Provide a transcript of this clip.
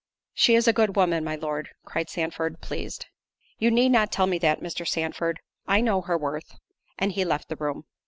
"She is a good woman, my Lord," cried Sandford, pleased. "You need not tell me that, Mr. Sandford; I know her worth." And he left the room.